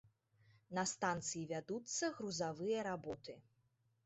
На станцыі вядуцца грузавыя работы.